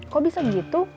kok bisa begitu